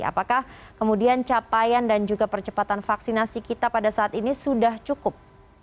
apakah kemudian capaian dan juga percepatan vaksinasi kita pada saat ini sudah cukup